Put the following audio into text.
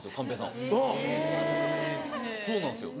そうなんですよ